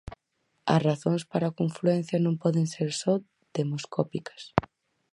As razóns para a confluencia non poden ser só demoscópicas.